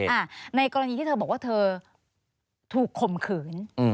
โอเคในกรณีที่เขาบอกว่าคุณถูกคมขืน